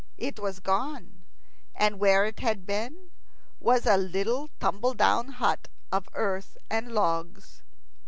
It was gone, and where it had been was a little tumbledown hut of earth and logs.